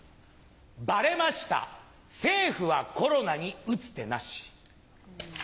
バレました政府はコロナに打つ手なし。